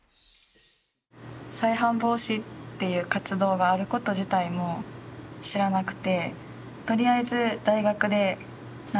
再犯防止っていう活動があること自体も知らなくて。